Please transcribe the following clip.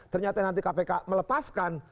ternyata nanti kpk melepaskan